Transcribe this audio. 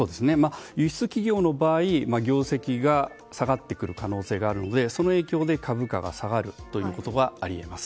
輸出企業の場合、業績が下がってくる可能性があるのでその影響で株価が下がるということはあり得ます。